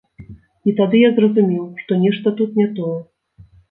І тады я зразумеў, што нешта тут не тое.